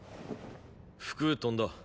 服飛んだ。